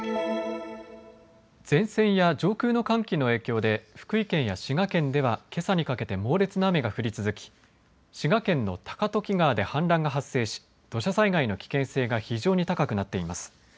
前線や上空の寒気の影響で福井県や滋賀県では、けさにかけて猛烈な雨が降り続き滋賀県の高時川で氾濫が発生し土砂災害の危険性が非常に高くなっています。